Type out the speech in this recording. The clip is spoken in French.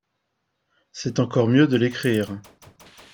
C’est encore mieux de l’écrire